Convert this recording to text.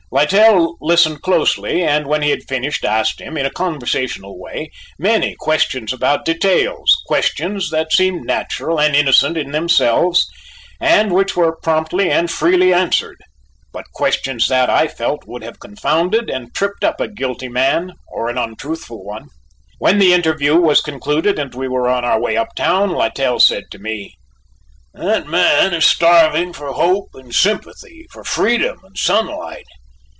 Littell listened closely and when he had finished asked him, in a conversational way, many questions about details; questions that seemed natural and innocent in themselves, and which were promptly and freely answered, but questions that, I felt, would have confounded and tripped up a guilty man or an untruthful one. When the interview was concluded and we were on our way uptown, Littell said to me: "That man is starving for hope and sympathy, for freedom and sunlight.